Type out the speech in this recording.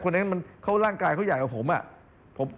คนไหนมันเข้าร่างกายเขาใหญ่กว่าผม